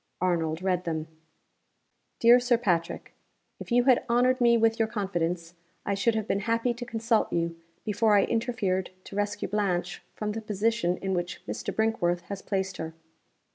Arnold read them. "DEAR SIR PATRICK, If you had honored me with your confidence, I should have been happy to consult you before I interfered to rescue Blanche from the position in which Mr. Brinkworth has placed her.